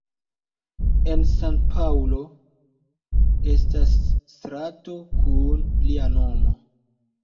En San-Paŭlo estas strato kun lia nomo.